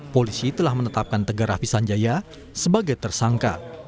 polisi telah menetapkan tegar rapi sanjaya sebagai tersangka